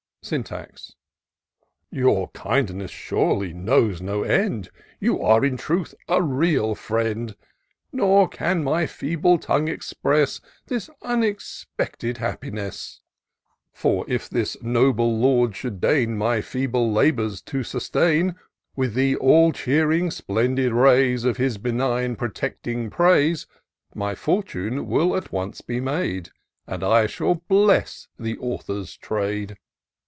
Syntax. " Your kindness, surely, knows no end ; You are in truth a real friend ; Nor can my feeble tongue express This unexpected happiness : 128 TOUR OF DOCTOR SYNTAX For if this noble Lord should deign My feeble labours to sustain, "With the all cheering, splendid rays Of his benign, protecting praise, My fortune will at once be made. And I shall bless the author's trade."